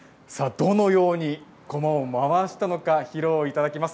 どのように、こまを回したのか披露いただきます。